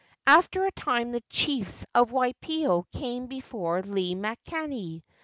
After a time the chiefs of Waipio came before Lei makani.